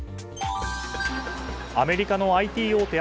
アメリカのＩＴ大手